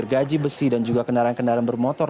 gaji besi dan juga kendaraan kendaraan bermotor